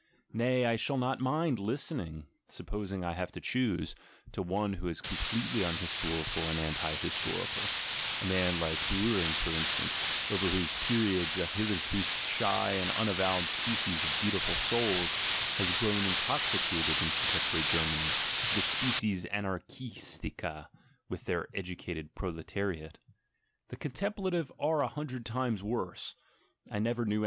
— nay, I shall not nind listening (supposing I have to choose) to one who 3 completely unhistorical and anti historical (a man, like )uhring for instance, over whose periods a hitherto shy ,nd unavowed species of "beautiful souls" has grown in oxicated in contemporary Germany, the species anarchis ica within the educated proletariate). The "contempla ive" are a hundred times worse — I never knew anything